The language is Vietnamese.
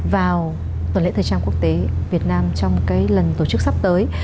vào tuần lễ thời trang quốc tế việt nam trong cái lần tổ chức sắp tới